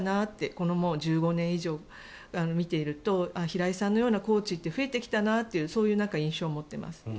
この１５年以上見ていると平井さんのようなコーチって増えてきたなというそういう印象を持っています。